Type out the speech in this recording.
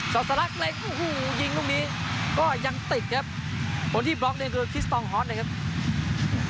ก็ยังติดครับคนที่บล็อกเนี่ยคือคริสตองฮอร์สนะครับ